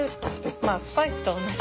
まあスパイスとおんなじ。